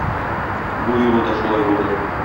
Бу юлы да шулай булды.